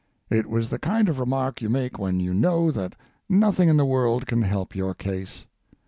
It was the kind of remark you make when you know that nothing in the world can help your case.